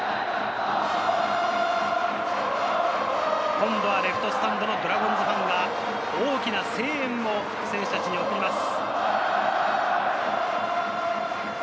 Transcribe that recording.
今度はレフトスタンドのドラゴンズファンが大きな声援を選手たちに送ります。